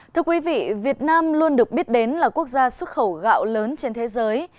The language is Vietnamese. thưa quý vị việt nam luôn được biết đến là quốc gia xuất khẩu gạo lớn trên thế giới